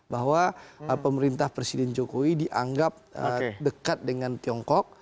bahwa pemerintah presiden jokowi dianggap dekat dengan tiongkok